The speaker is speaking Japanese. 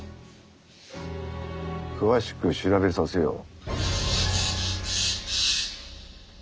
詳しく調べさせよう。